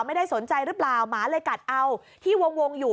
ไม่ได้สนใจหรือเปล่าหมาเลยกัดเอาที่วงอยู่